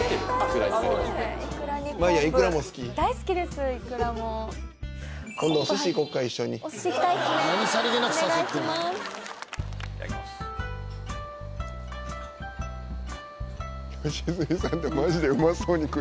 「良純さんってマジでうまそうに食いはる」